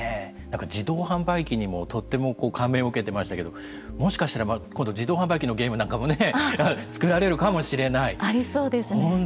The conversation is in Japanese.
自動販売機にもとっても感銘を受けていましたけどもしかしたら今度自動販売機のゲームなんかも作られるかもしれない。